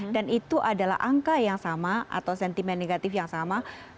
dan itu adalah angka yang sama atau sentimen negatif yang sama